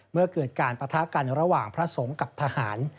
เมื่อเกิดการปะทะกันระหว่างพระสงฆ์กับทหาร